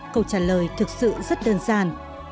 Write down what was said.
câu trả lời thực sự rất đơn giản